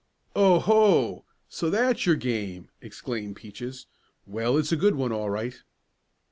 "Oh, ho! So that's your game!" exclaimed Peaches. "Well, it's a good one all right."